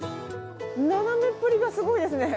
斜めっぷりがすごいですね。